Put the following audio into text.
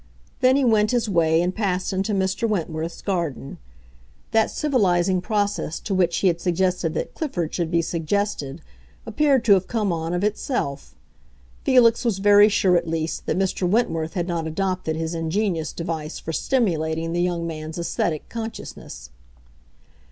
Then he went his way and passed into Mr. Wentworth's garden. That civilizing process to which he had suggested that Clifford should be subjected appeared to have come on of itself. Felix was very sure, at least, that Mr. Wentworth had not adopted his ingenious device for stimulating the young man's aesthetic consciousness.